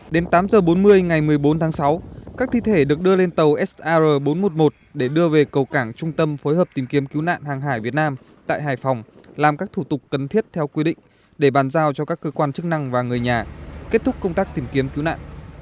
đến tám h bốn mươi ngày một mươi bốn tháng sáu các thi thể được đưa lên tàu sr bốn trăm một mươi một để đưa về cầu cảng trung tâm phối hợp tìm kiếm cứu nạn hàng hải việt nam tại hải phòng làm các thủ tục cần thiết theo quy định để bàn giao cho các cơ quan chức năng và người nhà kết thúc công tác tìm kiếm cứu nạn